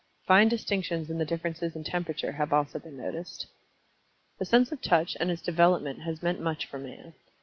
Fine distinctions in the differences in temperature have also been noticed. The sense of touch, and its development has meant much for Man.